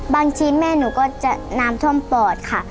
บางทีแม่หนูก็จะน้ำท่วมปอดค่ะ